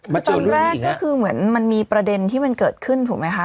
ตอนแรกก็คือเหมือนมันมีประเด็นที่มันเกิดขึ้นถูกไหมคะ